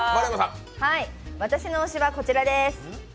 私の推しはこちらです。